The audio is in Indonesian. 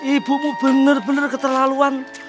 ibumu bener bener keterlaluan